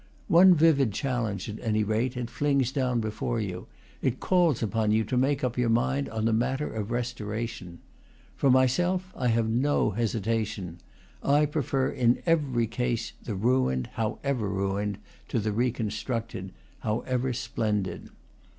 One vivid challenge, at any rate, it flings down before you; it calls upon you to make up your mind on the matter of restoration. For myself, I have no hesitation; I prefer in every case the ruined, however ruined, to the reconstructed, however splendid.